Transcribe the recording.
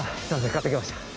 買ってきました。